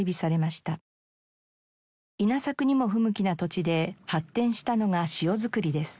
稲作にも不向きな土地で発展したのが塩づくりです。